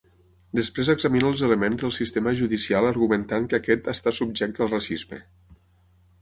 Després examina els elements del sistema judicial argumentant que aquest està subjecte al racisme.